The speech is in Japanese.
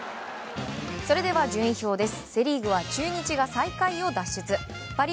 それでは順位表です。